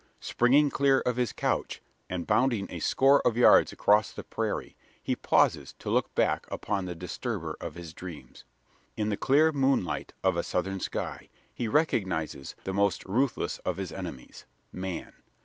Springing clear of his couch, and bounding a score of yards across the prairie, he pauses to look back upon the disturber of his dreams. In the clear moonlight of a southern sky, he recognises the most ruthless of his enemies man.